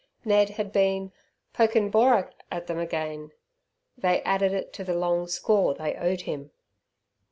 Ned had been "pokin' borak" at them again; they added it to the long score they owed him.